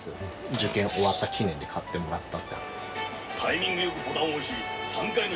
受験終わった記念で買ってもらった。